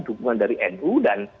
dukungan dari nu dan